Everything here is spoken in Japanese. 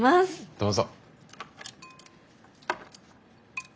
どうぞ。